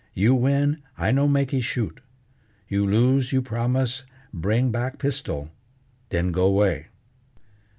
You win, I no makee shoot; you lose, you promise bring back pistol, then go way.